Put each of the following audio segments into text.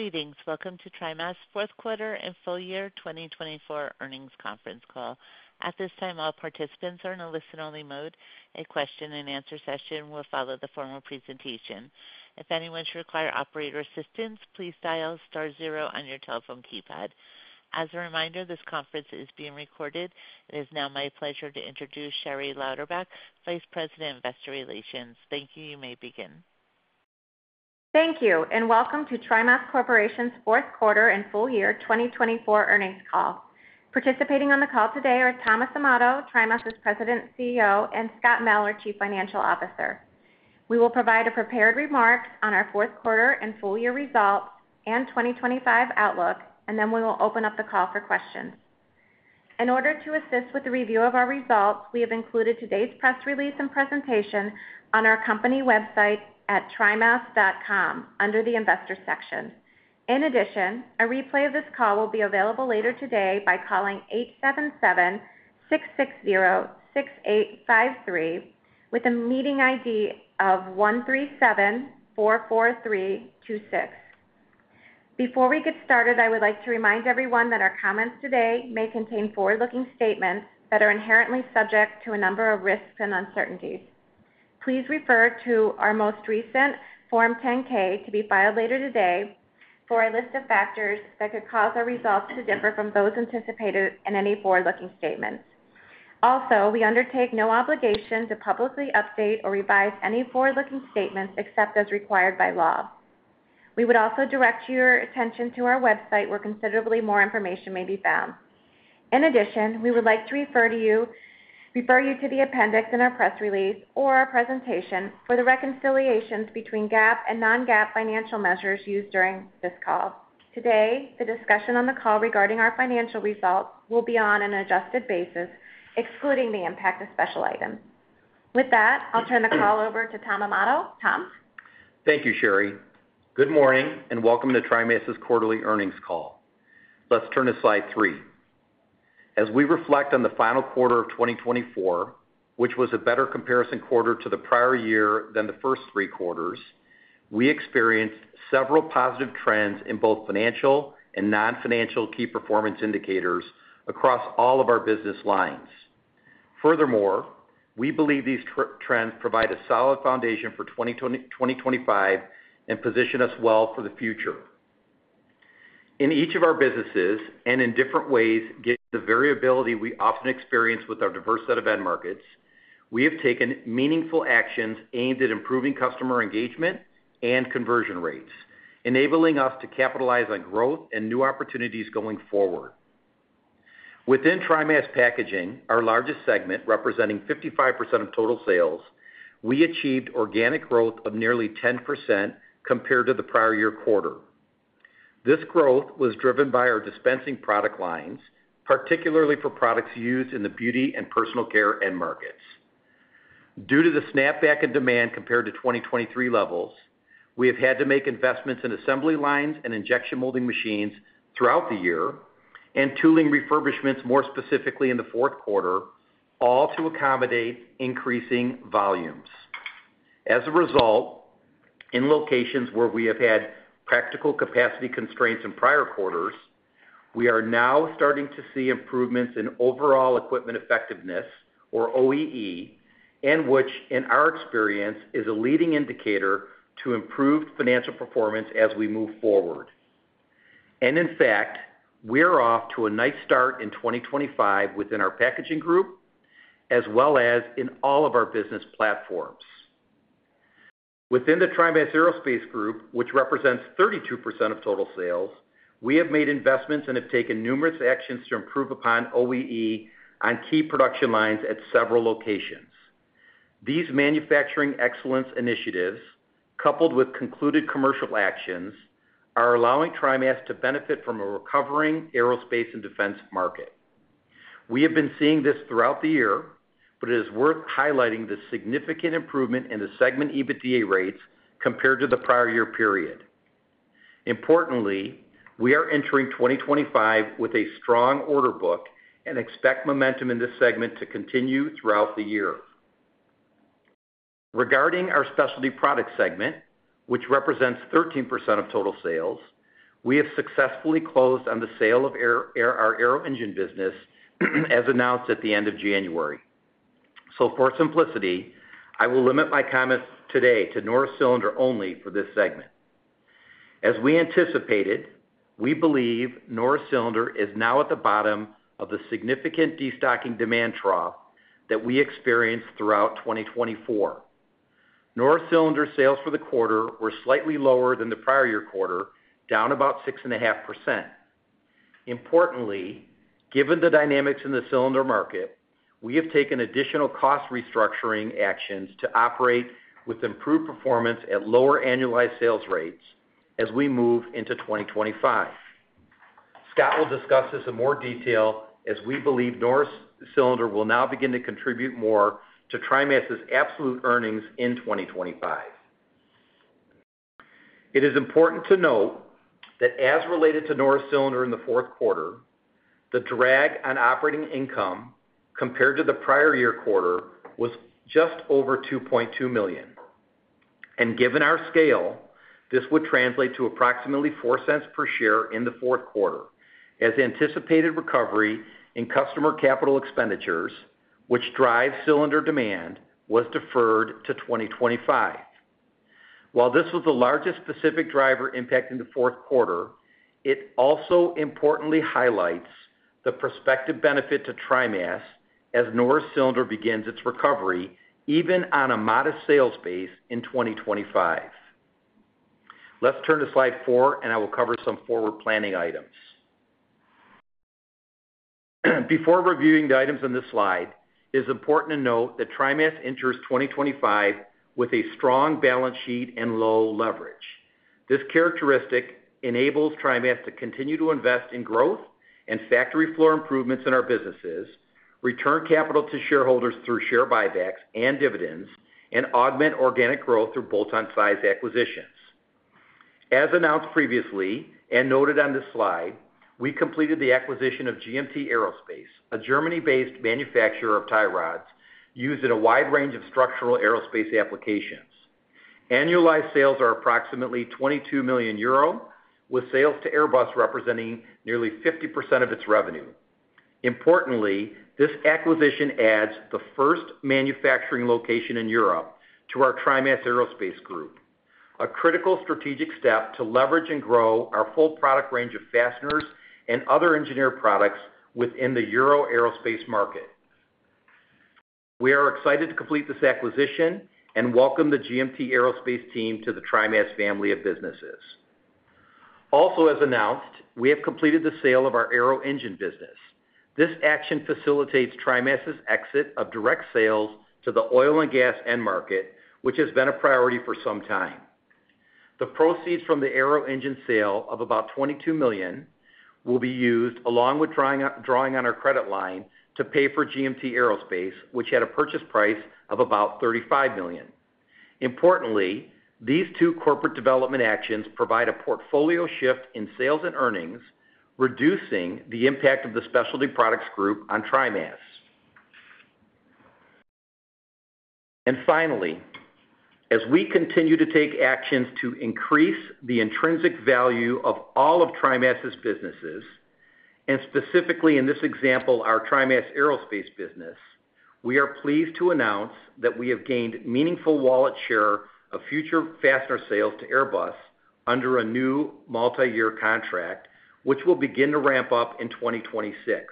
Greetings. Welcome to TriMas' Fourth Quarter and Full Year 2024 Earnings Conference Call. At this time, all participants are in a listen-only mode. A question-and-answer session will follow the formal presentation. If anyone should require operator assistance, please dial star zero on your telephone keypad. As a reminder, this conference is being recorded. It is now my pleasure to introduce Sherry Lauderback, Vice President of Investor Relations. Thank you. You may begin. Thank you, and welcome to TriMas Corporation's Fourth Quarter and Full Year 2024 Earnings Call. Participating on the call today are Thomas Amato, TriMas' President and CEO, and Scott Mell, our Chief Financial Officer. We will provide a prepared remark on our fourth quarter and full year results and 2025 outlook, and then we will open up the call for questions. In order to assist with the review of our results, we have included today's press release and presentation on our company website at trimas.com under the Investor section. In addition, a replay of this call will be available later today by calling 877-660-6853 with a meeting ID of 137-443-26. Before we get started, I would like to remind everyone that our comments today may contain forward-looking statements that are inherently subject to a number of risks and uncertainties. Please refer to our most recent Form 10-K to be filed later today for a list of factors that could cause our results to differ from those anticipated in any forward-looking statements. Also, we undertake no obligation to publicly update or revise any forward-looking statements except as required by law. We would also direct your attention to our website where considerably more information may be found. In addition, we would like to refer you to the appendix in our press release or our presentation for the reconciliations between GAAP and non-GAAP financial measures used during this call. Today, the discussion on the call regarding our financial results will be on an adjusted basis, excluding the impact of special items. With that, I'll turn the call over to Tom Amato. Tom. Thank you, Sherry. Good morning and welcome to TriMas' quarterly earnings call. Let's turn to Slide 3. As we reflect on the final quarter of 2024, which was a better comparison quarter to the prior year than the first three quarters, we experienced several positive trends in both financial and non-financial key performance indicators across all of our business lines. Furthermore, we believe these trends provide a solid foundation for 2025 and position us well for the future. In each of our businesses and in different ways given the variability we often experience with our diverse set of end markets, we have taken meaningful actions aimed at improving customer engagement and conversion rates, enabling us to capitalize on growth and new opportunities going forward. Within TriMas Packaging, our largest segment representing 55% of total sales, we achieved organic growth of nearly 10% compared to the prior year quarter. This growth was driven by our dispensing product lines, particularly for products used in the Beauty and Personal Care end markets. Due to the snapback in demand compared to 2023 levels, we have had to make investments in assembly lines and injection molding machines throughout the year and tooling refurbishments, more specifically in the fourth quarter, all to accommodate increasing volumes. As a result, in locations where we have had practical capacity constraints in prior quarters, we are now starting to see improvements in overall equipment effectiveness, or OEE, which in our experience is a leading indicator to improved financial performance as we move forward. And in fact, we're off to a nice start in 2025 within our packaging group as well as in all of our business platforms. Within the TriMas Aerospace group, which represents 32% of total sales, we have made investments and have taken numerous actions to improve upon OEE on key production lines at several locations. These manufacturing excellence initiatives, coupled with concluded commercial actions, are allowing TriMas to benefit from a recovering aerospace and defense market. We have been seeing this throughout the year, but it is worth highlighting the significant improvement in the segment EBITDA rates compared to the prior year period. Importantly, we are entering 2025 with a strong order book and expect momentum in this segment to continue throughout the year. Regarding our Specialty Products segment, which represents 13% of total sales, we have successfully closed on the sale of our Arrow Engine business as announced at the end of January. So for simplicity, I will limit my comments today to Norris Cylinder only for this segment. As we anticipated, we believe Norris Cylinder is now at the bottom of the significant destocking demand trough that we experienced throughout 2024. Norris Cylinder sales for the quarter were slightly lower than the prior year quarter, down about 6.5%. Importantly, given the dynamics in the cylinder market, we have taken additional cost restructuring actions to operate with improved performance at lower annualized sales rates as we move into 2025. Scott will discuss this in more detail as we believe Norris Cylinder will now begin to contribute more to TriMas' absolute earnings in 2025. It is important to note that as related to Norris Cylinder in the fourth quarter, the drag on operating income compared to the prior year quarter was just over $2.2 million. Given our scale, this would translate to approximately $0.04 per share in the fourth quarter, as anticipated recovery in customer capital expenditures, which drive cylinder demand, was deferred to 2025. While this was the largest specific driver impacting the fourth quarter, it also importantly highlights the prospective benefit to TriMas as Norris Cylinder begins its recovery even on a modest sales base in 2025. Let's turn to Slide 4, and I will cover some forward planning items. Before reviewing the items on this slide, it is important to note that TriMas enters 2025 with a strong balance sheet and low leverage. This characteristic enables TriMas to continue to invest in growth and factory floor improvements in our businesses, return capital to shareholders through share buybacks and dividends, and augment organic growth through bolt-on size acquisitions. As announced previously and noted on this slide, we completed the acquisition of GMT Aerospace, a Germany-based manufacturer of tie rods used in a wide range of structural aerospace applications. Annualized sales are approximately 22 million euro, with sales to Airbus representing nearly 50% of its revenue. Importantly, this acquisition adds the first manufacturing location in Europe to our TriMas Aerospace group, a critical strategic step to leverage and grow our full product range of fasteners and other engineered products within the Euro aerospace market. We are excited to complete this acquisition and welcome the GMT Aerospace team to the TriMas family of businesses. Also, as announced, we have completed the sale of our Arrow Engine business. This action facilitates TriMas' exit of direct sales to the Oil and Gas end market, which has been a priority for some time. The proceeds from the Arrow Engine sale of about $22 million will be used along with drawing on our credit line to pay for GMT Aerospace, which had a purchase price of about $35 million. Importantly, these two corporate development actions provide a portfolio shift in sales and earnings, reducing the impact of the Specialty Products Group on TriMas. And finally, as we continue to take actions to increase the intrinsic value of all of TriMas' businesses, and specifically in this example, our TriMas Aerospace business, we are pleased to announce that we have gained meaningful wallet share of future fastener sales to Airbus under a new multi-year contract, which will begin to ramp up in 2026.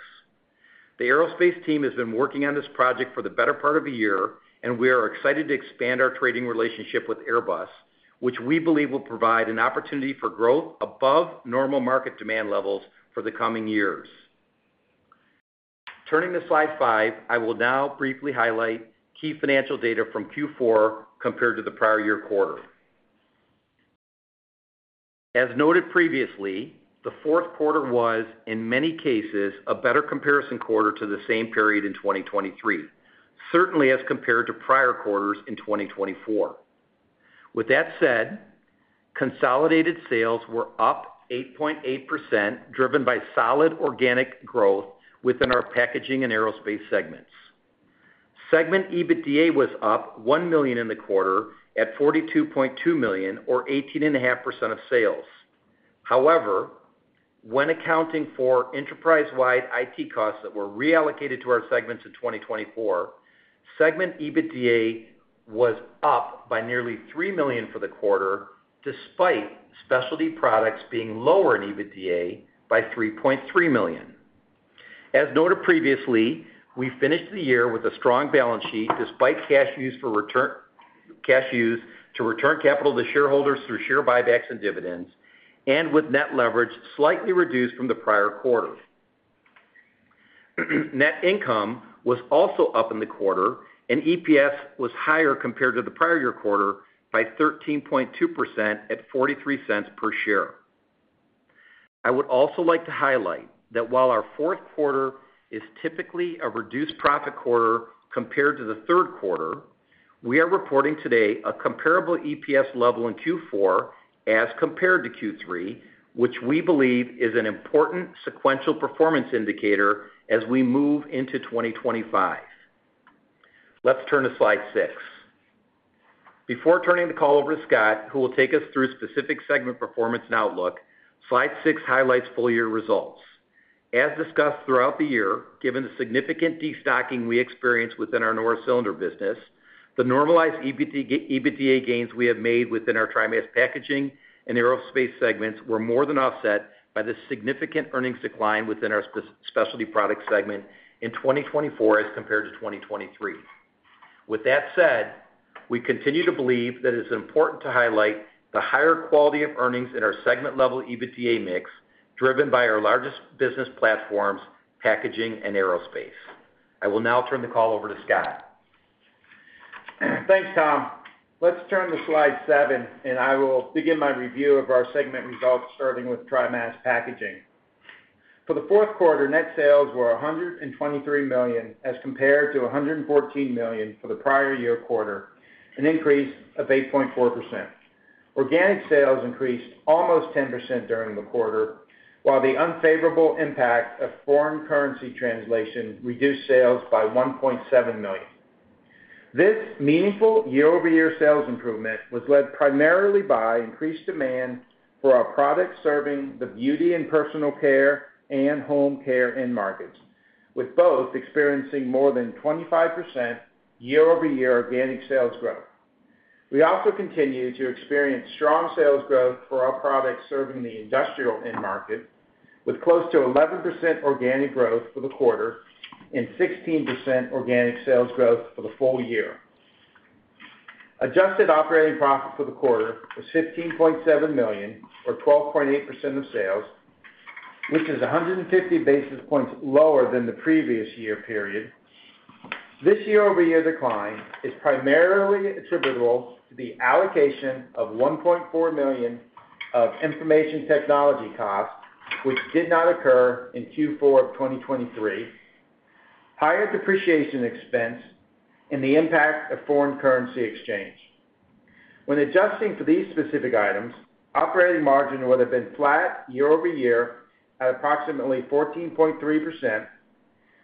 The aerospace team has been working on this project for the better part of a year, and we are excited to expand our trading relationship with Airbus, which we believe will provide an opportunity for growth above normal market demand levels for the coming years. Turning to Slide 5, I will now briefly highlight key financial data from Q4 compared to the prior year quarter. As noted previously, the fourth quarter was, in many cases, a better comparison quarter to the same period in 2023, certainly as compared to prior quarters in 2024. With that said, consolidated sales were up 8.8%, driven by solid organic growth within our packaging and aerospace segments. Segment EBITDA was up one million in the quarter at 42.2 million, or 18.5% of sales. However, when accounting for enterprise-wide IT costs that were reallocated to our segments in 2024, segment EBITDA was up by nearly $3 million for the quarter, despite Specialty Products being lower in EBITDA by $3.3 million. As noted previously, we finished the year with a strong balance sheet, despite cash used to return capital to shareholders through share buybacks and dividends, and with net leverage slightly reduced from the prior quarter. Net income was also up in the quarter, and EPS was higher compared to the prior year quarter by 13.2% at $0.43 per share. I would also like to highlight that while our fourth quarter is typically a reduced profit quarter compared to the third quarter, we are reporting today a comparable EPS level in Q4 as compared to Q3, which we believe is an important sequential performance indicator as we move into 2025. Let's turn to Slide 6. Before turning the call over to Scott, who will take us through specific segment performance and outlook, Slide 6 highlights full year results. As discussed throughout the year, given the significant destocking we experienced within our Norris Cylinder business, the normalized EBITDA gains we have made within our TriMas Packaging and aerospace segments were more than offset by the significant earnings decline within our Specialty Products segment in 2024 as compared to 2023. With that said, we continue to believe that it is important to highlight the higher quality of earnings in our segment-level EBITDA mix, driven by our largest business platforms, packaging and aerospace. I will now turn the call over to Scott. Thanks, Tom. Let's turn to Slide 7, and I will begin my review of our segment results, starting with TriMas Packaging. For the fourth quarter, net sales were $123 million as compared to $114 million for the prior year quarter, an increase of 8.4%. Organic sales increased almost 10% during the quarter, while the unfavorable impact of foreign currency translation reduced sales by $1.7 million. This meaningful year-over-year sales improvement was led primarily by increased demand for our products serving the Beauty and Personal Care and Home Care end markets, with both experiencing more than 25% year-over-year organic sales growth. We also continue to experience strong sales growth for our products serving the Industrial end market, with close to 11% organic growth for the quarter and 16% organic sales growth for the full year. Adjusted operating profit for the quarter was $15.7 million, or 12.8% of sales, which is 150 basis points lower than the previous year period. This year-over-year decline is primarily attributable to the allocation of $1.4 million of information technology costs, which did not occur in Q4 of 2023, higher depreciation expense, and the impact of foreign currency exchange. When adjusting for these specific items, operating margin would have been flat year-over-year at approximately 14.3%,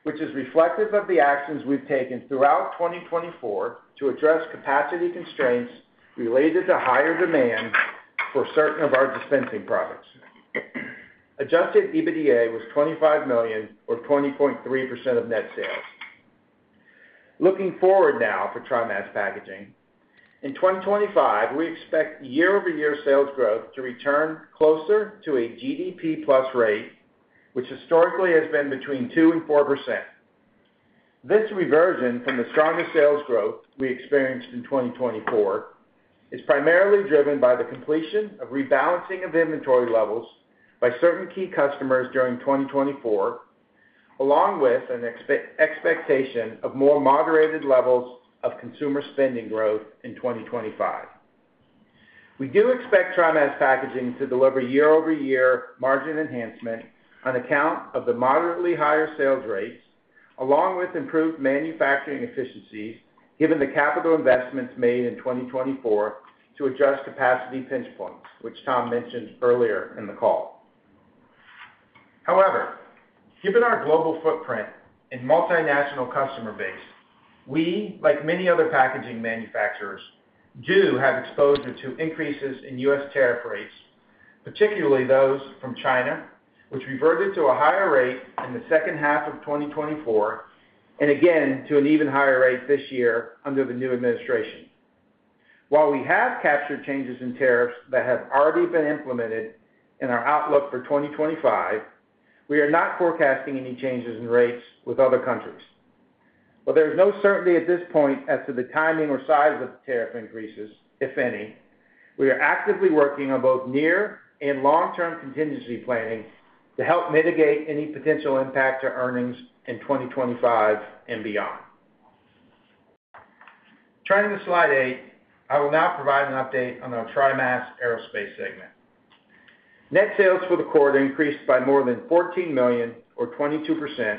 which is reflective of the actions we've taken throughout 2024 to address capacity constraints related to higher demand for certain of our dispensing products. Adjusted EBITDA was $25 million, or 20.3% of net sales. Looking forward now for TriMas Packaging, in 2025, we expect year-over-year sales growth to return closer to a GDP plus rate, which historically has been between 2% and 4%. This reversion from the strongest sales growth we experienced in 2024 is primarily driven by the completion of rebalancing of inventory levels by certain key customers during 2024, along with an expectation of more moderated levels of consumer spending growth in 2025. We do expect TriMas Packaging to deliver year-over-year margin enhancement on account of the moderately higher sales rates, along with improved manufacturing efficiencies given the capital investments made in 2024 to adjust capacity pinch points, which Tom mentioned earlier in the call. However, given our global footprint and multinational customer base, we, like many other packaging manufacturers, do have exposure to increases in U.S. tariff rates, particularly those from China, which reverted to a higher rate in the second half of 2024, and again to an even higher rate this year under the new administration. While we have captured changes in tariffs that have already been implemented in our outlook for 2025, we are not forecasting any changes in rates with other countries. But there is no certainty at this point as to the timing or size of the tariff increases, if any. We are actively working on both near and long-term contingency planning to help mitigate any potential impact to earnings in 2025 and beyond. Turning to Slide 8, I will now provide an update on our TriMas Aerospace segment. Net sales for the quarter increased by more than $14 million, or 22%,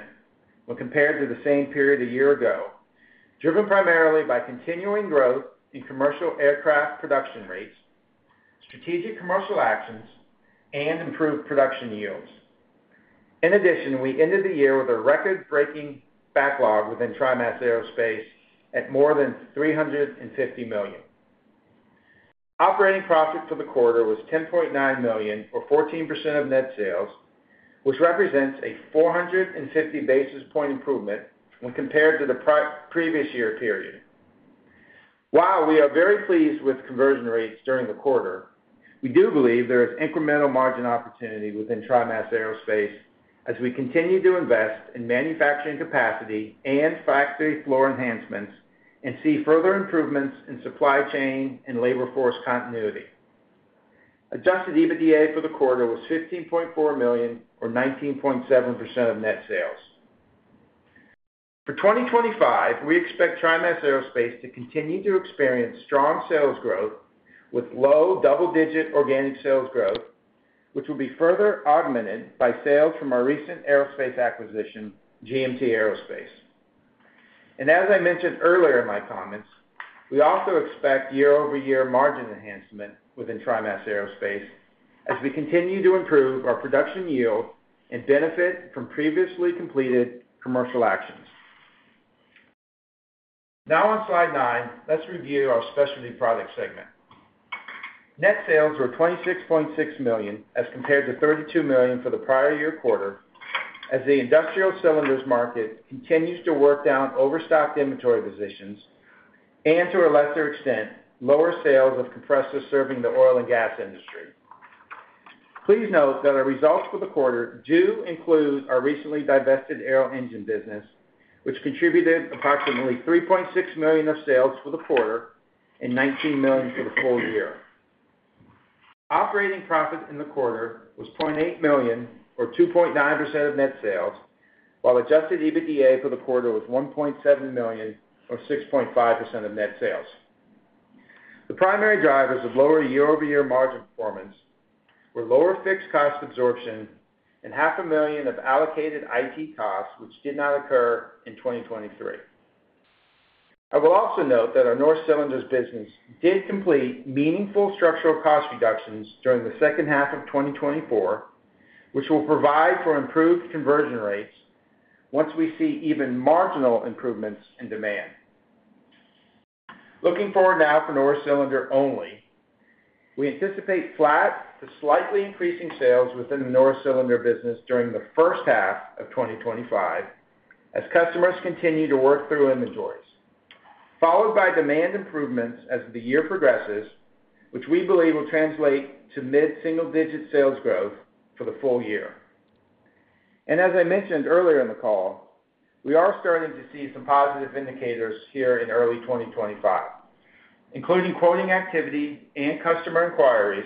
when compared to the same period a year ago, driven primarily by continuing growth in commercial aircraft production rates, strategic commercial actions, and improved production yields. In addition, we ended the year with a record-breaking backlog within TriMas Aerospace at more than $350 million. Operating profit for the quarter was $10.9 million, or 14% of net sales, which represents a 450 basis point improvement when compared to the previous year period. While we are very pleased with conversion rates during the quarter, we do believe there is incremental margin opportunity within TriMas Aerospace as we continue to invest in manufacturing capacity and factory floor enhancements and see further improvements in supply chain and labor force continuity. Adjusted EBITDA for the quarter was $15.4 million, or 19.7% of net sales. For 2025, we expect TriMas Aerospace to continue to experience strong sales growth with low double-digit organic sales growth, which will be further augmented by sales from our recent aerospace acquisition, GMT Aerospace, and as I mentioned earlier in my comments, we also expect year-over-year margin enhancement within TriMas Aerospace as we continue to improve our production yield and benefit from previously completed commercial actions. Now on Slide 9, let's review our Specialty Products segment. Net sales were $26.6 million as compared to $32 million for the prior year quarter, as the Industrial cylinders market continues to work down overstocked inventory positions and, to a lesser extent, lower sales of compressors serving the Oil and Gas industry. Please note that our results for the quarter do include our recently divested Arrow Engine business, which contributed approximately $3.6 million of sales for the quarter and $19 million for the full year. Operating profit in the quarter was $0.8 million, or 2.9% of net sales, while adjusted EBITDA for the quarter was $1.7 million, or 6.5% of net sales. The primary drivers of lower year-over-year margin performance were lower fixed cost absorption and $500,000 of allocated IT costs, which did not occur in 2023. I will also note that our Norris Cylinder business did complete meaningful structural cost reductions during the second half of 2024, which will provide for improved conversion rates once we see even marginal improvements in demand. Looking forward now for Norris Cylinder only, we anticipate flat to slightly increasing sales within the Norris Cylinder business during the first half of 2025 as customers continue to work through inventories, followed by demand improvements as the year progresses, which we believe will translate to mid-single-digit sales growth for the full year, and as I mentioned earlier in the call, we are starting to see some positive indicators here in early 2025, including quoting activity and customer inquiries,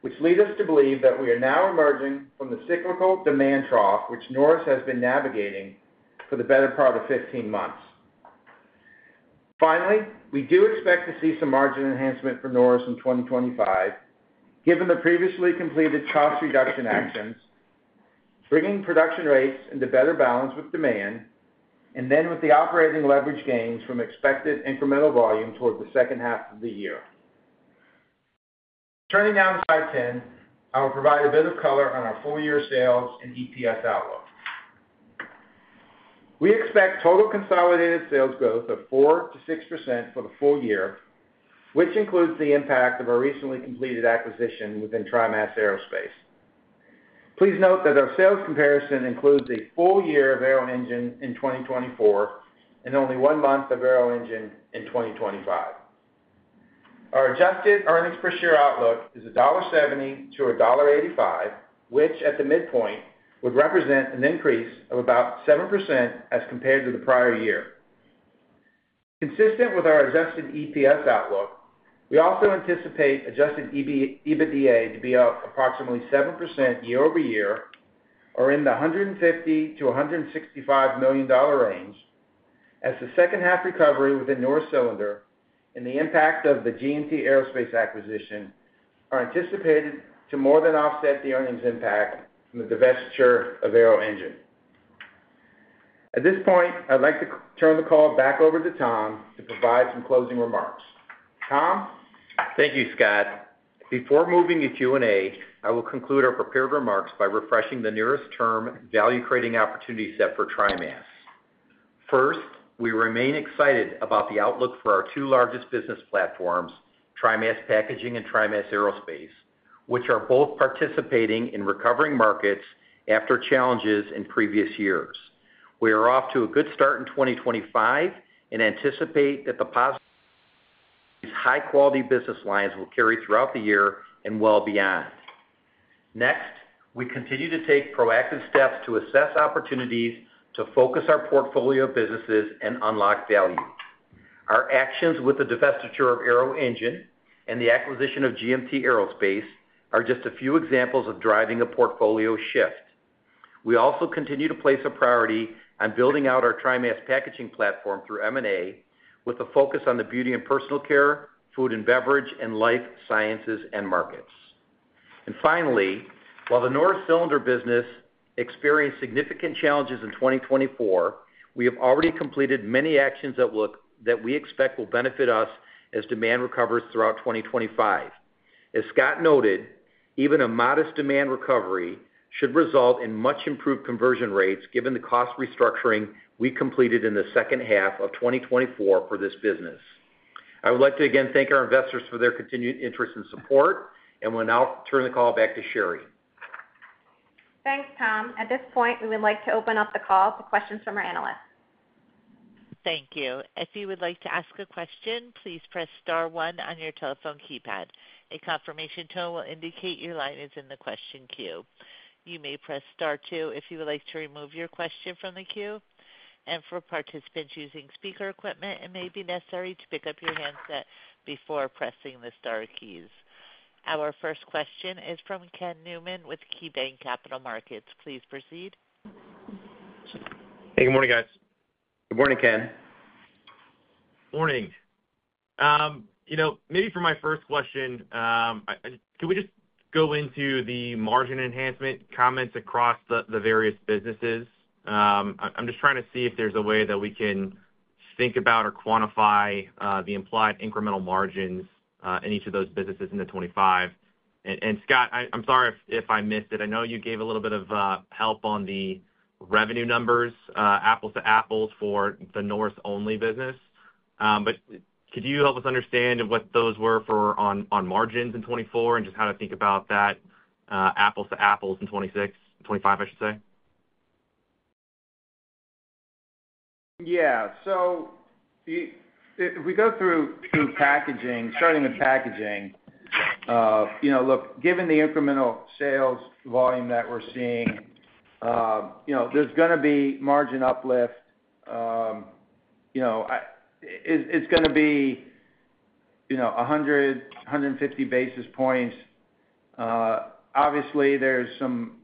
which lead us to believe that we are now emerging from the cyclical demand trough, which Norris has been navigating for the better part of 15 months. Finally, we do expect to see some margin enhancement for Norris in 2025, given the previously completed cost reduction actions, bringing production rates into better balance with demand, and then with the operating leverage gains from expected incremental volume toward the second half of the year. Turning now to Slide 10, I will provide a bit of color on our full year sales and EPS outlook. We expect total consolidated sales growth of 4%-6% for the full year, which includes the impact of our recently completed acquisition within TriMas Aerospace. Please note that our sales comparison includes a full year of Arrow Engine in 2024 and only one month of Arrow Engine in 2025. Our adjusted earnings per share outlook is $1.70-$1.85, which at the midpoint would represent an increase of about 7% as compared to the prior year. Consistent with our adjusted EPS outlook, we also anticipate adjusted EBITDA to be up approximately 7% year-over-year, or in the $150-$165 million range, as the second-half recovery within Norris Cylinder and the impact of the GMT Aerospace acquisition are anticipated to more than offset the earnings impact from the divestiture of Arrow Engine. At this point, I'd like to turn the call back over to Tom to provide some closing remarks. Tom? Thank you, Scott. Before moving to Q&A, I will conclude our prepared remarks by refreshing the near-term value-creating opportunity set for TriMas. First, we remain excited about the outlook for our two largest business platforms, TriMas Packaging and TriMas Aerospace, which are both participating in recovering markets after challenges in previous years. We are off to a good start in 2025 and anticipate that the high-quality business lines will carry throughout the year and well beyond. Next, we continue to take proactive steps to assess opportunities to focus our portfolio of businesses and unlock value. Our actions with the divestiture of Arrow Engine and the acquisition of GMT Aerospace are just a few examples of driving a portfolio shift. We also continue to place a priority on building out our TriMas Packaging platform through M&A, with a focus on the Beauty and Personal Care, Food and Beverage, and Life Sciences end markets. And finally, while the Norris Cylinder business experienced significant challenges in 2024, we have already completed many actions that we expect will benefit us as demand recovers throughout 2025. As Scott noted, even a modest demand recovery should result in much improved conversion rates given the cost restructuring we completed in the second half of 2024 for this business. I would like to again thank our investors for their continued interest and support, and will now turn the call back to Sherry. Thanks, Tom. At this point, we would like to open up the call to questions from our analysts. Thank you. If you would like to ask a question, please press star one on your telephone keypad. A confirmation tone will indicate your line is in the question queue. You may press star two if you would like to remove your question from the queue. And for participants using speaker equipment, it may be necessary to pick up your handset before pressing the star keys. Our first question is from Ken Newman with KeyBanc Capital Markets. Please proceed. Hey, good morning, guys. Good morning, Ken. Morning. Maybe for my first question, can we just go into the margin enhancement comments across the various businesses? I'm just trying to see if there's a way that we can think about or quantify the implied incremental margins in each of those businesses in 2025. And Scott, I'm sorry if I missed it. I know you gave a little bit of help on the revenue numbers, apples to apples for the Norris only business. But could you help us understand what those were for on margins in 2024 and just how to think about that apples to apples in 2026, 2025, I should say? Yeah. So if we go through packaging, starting with packaging, look, given the incremental sales volume that we're seeing, there's going to be margin uplift. It's going to be 100-150 basis points. Obviously, there's some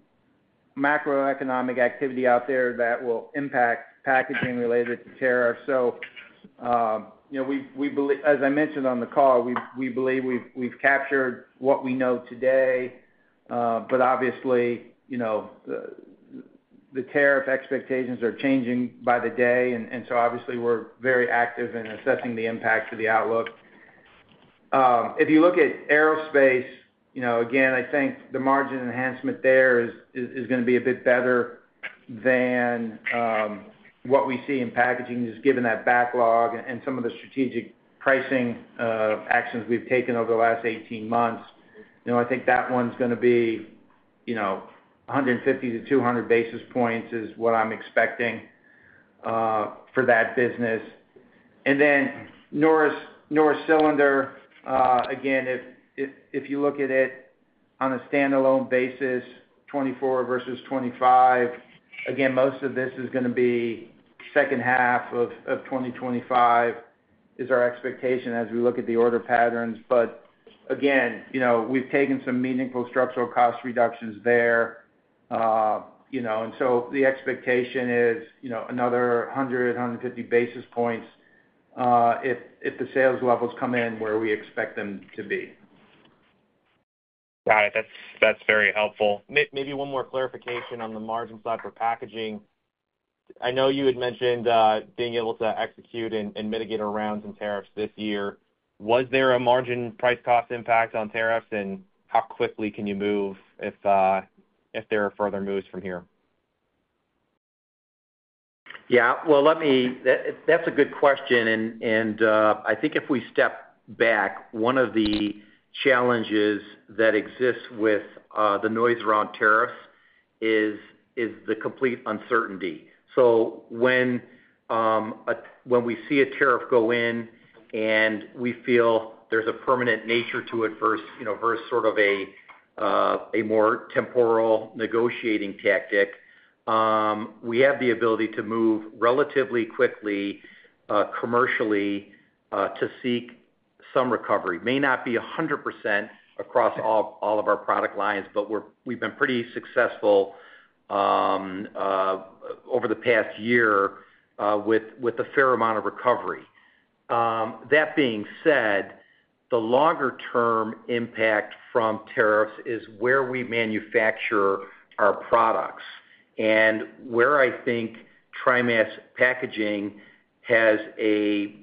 macroeconomic activity out there that will impact packaging related to tariffs. So as I mentioned on the call, we believe we've captured what we know today. But obviously, the tariff expectations are changing by the day. And so obviously, we're very active in assessing the impact of the outlook. If you look at aerospace, again, I think the margin enhancement there is going to be a bit better than what we see in packaging, just given that backlog and some of the strategic pricing actions we've taken over the last 18 months. I think that one's going to be 150-200 basis points is what I'm expecting for that business. Norris Cylinder, again, if you look at it on a standalone basis, 2024 versus 2025, again, most of this is going to be second half of 2025 is our expectation as we look at the order patterns. But again, we've taken some meaningful structural cost reductions there. And so the expectation is another 100, 150 basis points if the sales levels come in where we expect them to be. Got it. That's very helpful. Maybe one more clarification on the margin side for packaging. I know you had mentioned being able to execute and mitigate around some tariffs this year. Was there a margin price cost impact on tariffs? And how quickly can you move if there are further moves from here? Yeah. Well, that's a good question. And I think if we step back, one of the challenges that exists with the noise around tariffs is the complete uncertainty. So when we see a tariff go in and we feel there's a permanent nature to it versus sort of a more temporal negotiating tactic, we have the ability to move relatively quickly commercially to seek some recovery. May not be 100% across all of our product lines, but we've been pretty successful over the past year with a fair amount of recovery. That being said, the longer-term impact from tariffs is where we manufacture our products. And where I think TriMas Packaging has a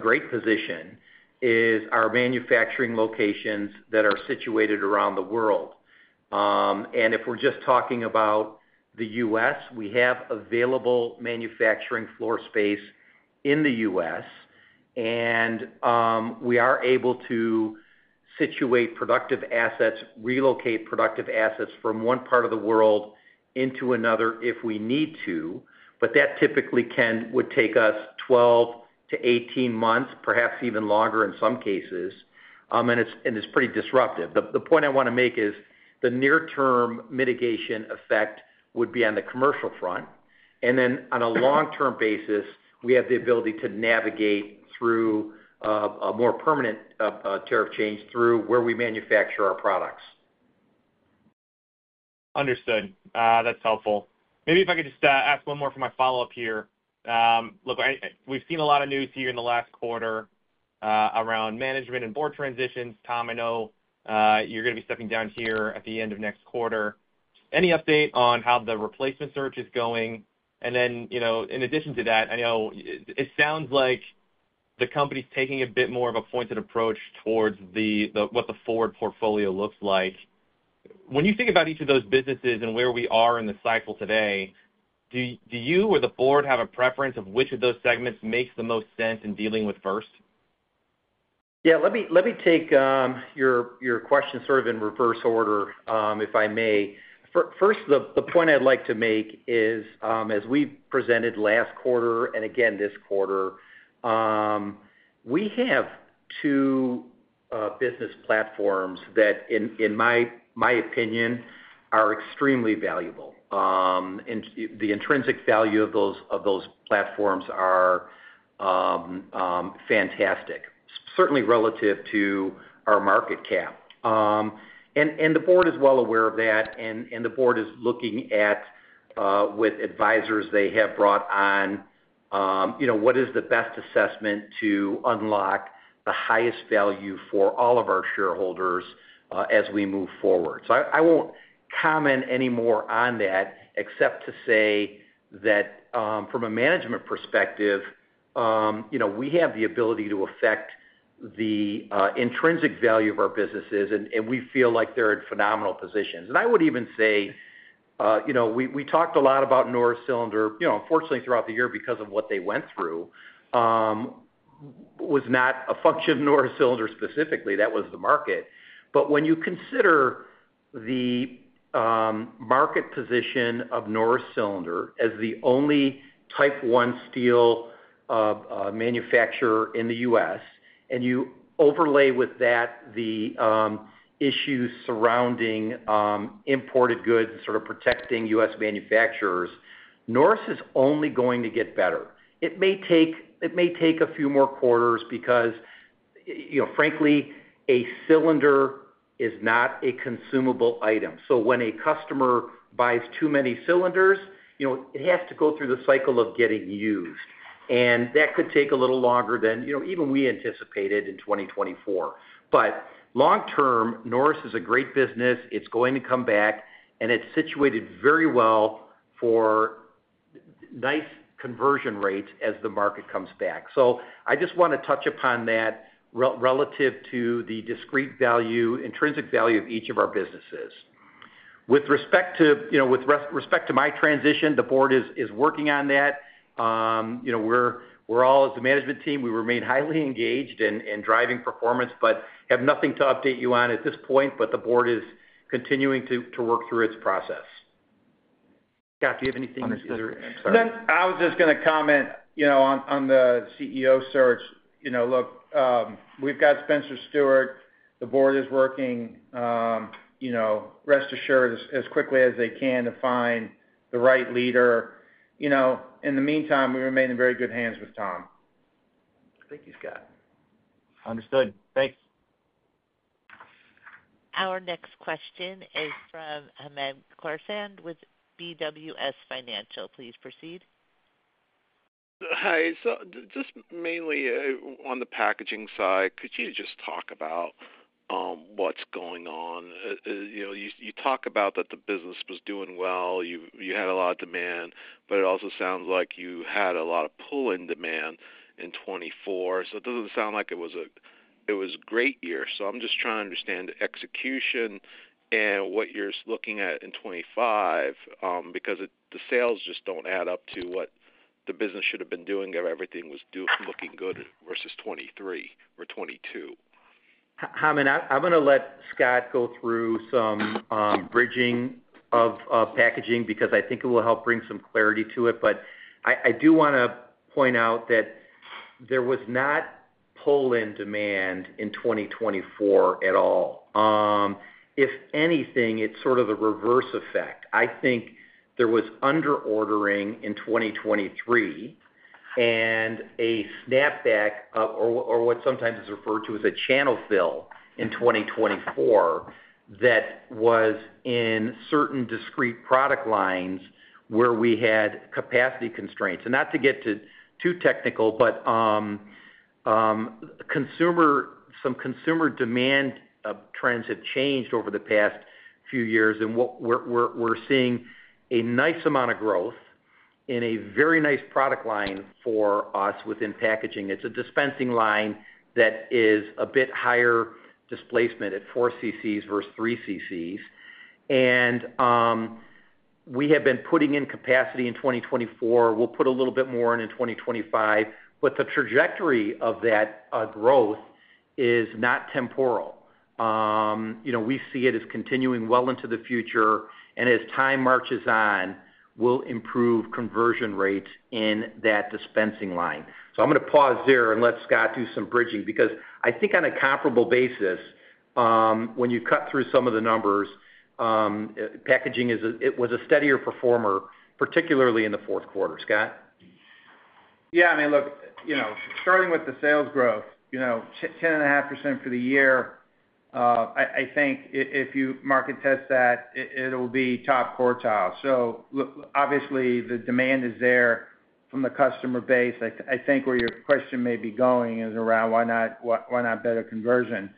great position is our manufacturing locations that are situated around the world. And if we're just talking about the U.S., we have available manufacturing floor space in the U.S. We are able to situate productive assets, relocate productive assets from one part of the world into another if we need to. That typically would take us 12-18 months, perhaps even longer in some cases. It's pretty disruptive. The point I want to make is the near-term mitigation effect would be on the commercial front. Then on a long-term basis, we have the ability to navigate through a more permanent tariff change through where we manufacture our products. Understood. That's helpful. Maybe if I could just ask one more for my follow-up here. Look, we've seen a lot of news here in the last quarter around management and board transitions. Tom, I know you're going to be stepping down here at the end of next quarter. Any update on how the replacement search is going? And then in addition to that, I know it sounds like the company's taking a bit more of a pointed approach towards what the forward portfolio looks like. When you think about each of those businesses and where we are in the cycle today, do you or the board have a preference of which of those segments makes the most sense in dealing with first? Yeah. Let me take your question sort of in reverse order, if I may. First, the point I'd like to make is, as we presented last quarter and again this quarter, we have two business platforms that, in my opinion, are extremely valuable. The intrinsic value of those platforms is fantastic, certainly relative to our market cap. And the board is well aware of that. And the board is looking at, with advisors they have brought on, what is the best assessment to unlock the highest value for all of our shareholders as we move forward. So I won't comment any more on that except to say that from a management perspective, we have the ability to affect the intrinsic value of our businesses, and we feel like they're in phenomenal positions. And I would even say we talked a lot about Norris Cylinder. Unfortunately, throughout the year, because of what they went through, it was not a function of Norris Cylinder specifically. That was the market. But when you consider the market position of Norris Cylinder as the only Type 1 steel manufacturer in the U.S., and you overlay with that the issues surrounding imported goods and sort of protecting U.S. manufacturers, Norris is only going to get better. It may take a few more quarters because, frankly, a cylinder is not a consumable item. So when a customer buys too many cylinders, it has to go through the cycle of getting used. And that could take a little longer than even we anticipated in 2024. But long-term, Norris is a great business. It's going to come back, and it's situated very well for nice conversion rates as the market comes back. So I just want to touch upon that relative to the discrete value, intrinsic value of each of our businesses. With respect to my transition, the board is working on that. We're all, as the management team, we remain highly engaged in driving performance, but have nothing to update you on at this point. But the board is continuing to work through its process. Scott, do you have anything? I was just going to comment on the CEO search. Look, we've got Spencer Stuart. The board is working. Rest assured, as quickly as they can to find the right leader. In the meantime, we remain in very good hands with Tom. Thank you, Scott. Understood. Thanks. Our next question is from Hamed Khorsand with BWS Financial. Please proceed. Hi. So just mainly on the packaging side, could you just talk about what's going on? You talk about that the business was doing well. You had a lot of demand, but it also sounds like you had a lot of pull-in demand in 2024. So it doesn't sound like it was a great year. So I'm just trying to understand the execution and what you're looking at in 2025 because the sales just don't add up to what the business should have been doing if everything was looking good versus 2023 or 2022. Now I'm going to let Scott go through some bridging of packaging because I think it will help bring some clarity to it. But I do want to point out that there was not pull-in demand in 2024 at all. If anything, it's sort of the reverse effect. I think there was underordering in 2023 and a snapback, or what sometimes is referred to as a channel fill in 2024, that was in certain discrete product lines where we had capacity constraints. And not to get too technical, but some consumer demand trends have changed over the past few years. And we're seeing a nice amount of growth in a very nice product line for us within packaging. It's a dispensing line that is a bit higher displacement at 4 cc versus 3 cc. And we have been putting in capacity in 2024. We'll put a little bit more in in 2025. But the trajectory of that growth is not temporal. We see it as continuing well into the future. And as time marches on, we'll improve conversion rates in that dispensing line. So I'm going to pause there and let Scott do some bridging because I think on a comparable basis, when you cut through some of the numbers, packaging was a steadier performer, particularly in the fourth quarter. Scott? Yeah. I mean, look, starting with the sales growth, 10.5% for the year, I think if you market test that, it will be top quartile. So obviously, the demand is there from the customer base. I think where your question may be going is around why not better conversion.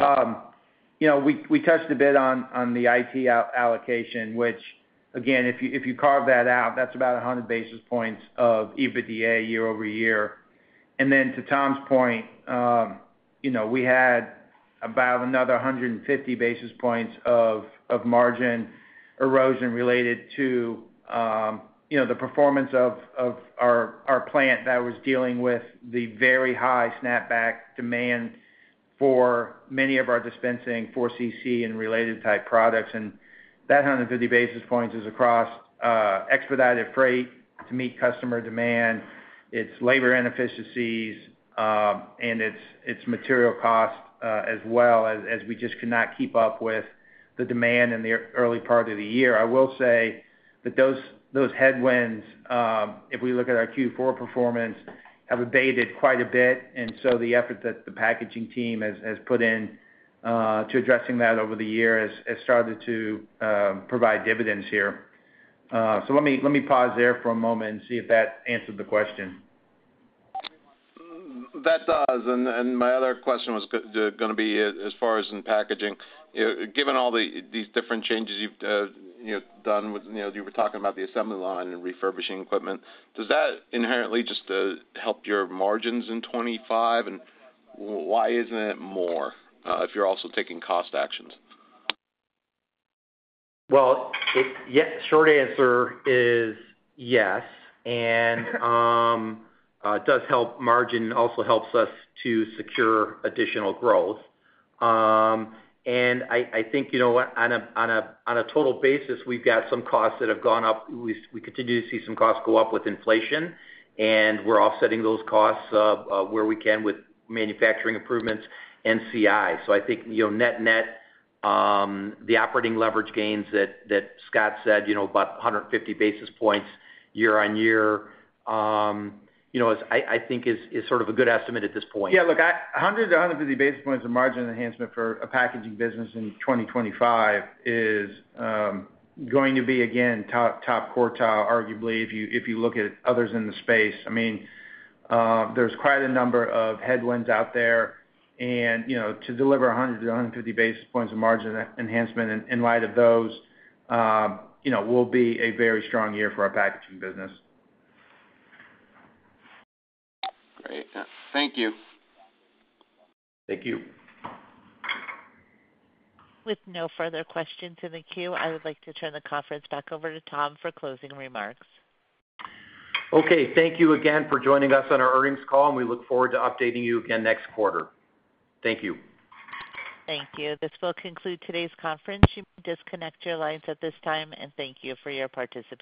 We touched a bit on the IT allocation, which, again, if you carve that out, that's about 100 basis points of EBITDA year over year. And then to Tom's point, we had about another 150 basis points of margin erosion related to the performance of our plant that was dealing with the very high snapback demand for many of our dispensing 4 cc and related type products. And that 150 basis points is across expedited freight to meet customer demand. It's labor inefficiencies and it's material cost as well as we just cannot keep up with the demand in the early part of the year. I will say that those headwinds, if we look at our Q4 performance, have abated quite a bit. And so the effort that the packaging team has put in to addressing that over the year has started to provide dividends here. So let me pause there for a moment and see if that answered the question. That does. And my other question was going to be as far as in packaging. Given all these different changes you've done, you were talking about the assembly line and refurbishing equipment. Does that inherently just help your margins in 2025? And why isn't it more if you're also taking cost actions? Short answer is yes. It does help. Margin also helps us to secure additional growth. I think on a total basis, we've got some costs that have gone up. We continue to see some costs go up with inflation. We're offsetting those costs where we can with manufacturing improvements and CI. I think net-net, the operating leverage gains that Scott said, about 150 basis points year on year, is sort of a good estimate at this point. Yeah. Look, 100-150 basis points of margin enhancement for a packaging business in 2025 is going to be, again, top quartile, arguably, if you look at others in the space. I mean, there's quite a number of headwinds out there. And to deliver 100-150 basis points of margin enhancement in light of those will be a very strong year for our packaging business. Great. Thank you. Thank you. With no further questions in the queue, I would like to turn the conference back over to Tom for closing remarks. Okay. Thank you again for joining us on our earnings call, and we look forward to updating you again next quarter. Thank you. Thank you. This will conclude today's conference. You may disconnect your lines at this time, and thank you for your participation.